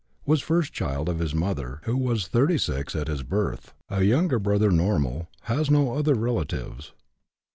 Was first child of his mother, who was 36 at his birth; a younger brother normal; has no other relatives.